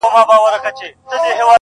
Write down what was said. چي ستا ديدن وي پكي كور به جوړ سـي.